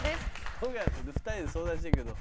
尾形２人で相談してるけど。